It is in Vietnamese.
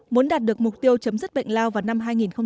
muốn đạt được mục tiêu chấm dứt bệnh lao vào năm hai nghìn ba mươi